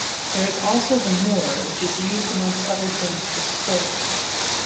There is also the Moor which is used amongst other things for sport.